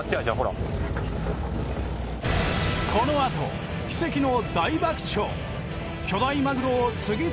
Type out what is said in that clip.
このあと奇跡の大爆釣。